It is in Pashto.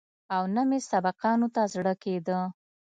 او نه مې سبقانو ته زړه کېده.